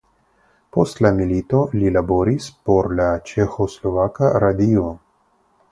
Post la milito li laboris por la Ĉeĥoslovaka radio.